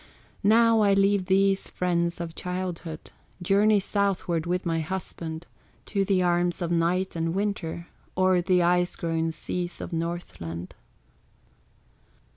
Now I leave these friends of childhood, Journey southward with my husband, To the arms of Night and Winter, O'er the ice grown seas of Northland.